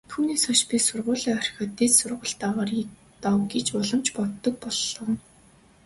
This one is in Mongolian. Түүнээс хойш би сургуулиа орхиод дээд сургуульд оръё гэж улам ч боддог боллоо.